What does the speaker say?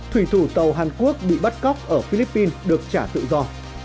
thủy thủ tàu hàn quốc bị bắt cóc ở philippines được trả tự do